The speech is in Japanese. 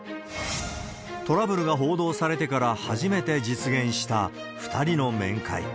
トラブルが報道されてから初めて実現した２人の面会。